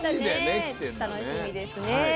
楽しみですね。